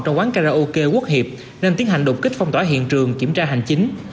trong quán karaoke quốc hiệp nên tiến hành đột kích phong tỏa hiện trường kiểm tra hành chính